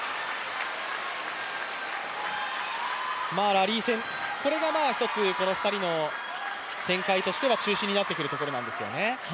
ラリー戦、これが１つこの２人の展開としては中心になってくるところなんですよね。